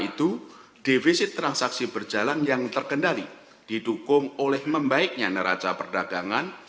itu defisit transaksi berjalan yang terkendali didukung oleh membaiknya neraca perdagangan